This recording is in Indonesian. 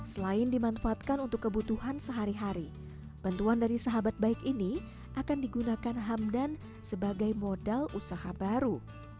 selain dimanfaatkan untuk kebutuhan sehari hari bantuan dari sahabat baik ini akan digunakan hamdan sebagai modal usaha baru